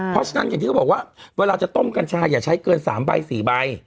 เพราะฉะนั้นอย่างที่เขาบอกว่าเวลาจะต้มกัญชาอย่าใช้เกิน๓ใบ๔ใบ